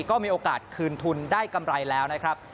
ก็มีโอกาสคืนทุนได้กำไรแล้วนะครับ